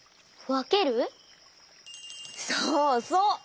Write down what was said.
そうそう！